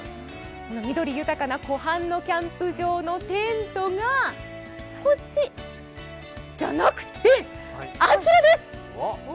緑豊かな湖畔のキャンプ場のテントが、こっちじゃなくて、あちらです。